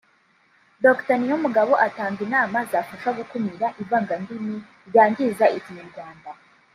Dr Niyomugabo atanga inama zafasha gukumira ivangandimi ryangiza Ikinyarwanda